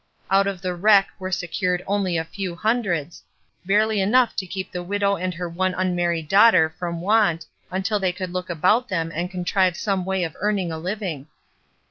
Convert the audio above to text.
Out of the wreck were secured only a few hundreds, — barely enough to keep the widow and her one unmarried daughter from want until they could look about them and contrive some way of earning a living.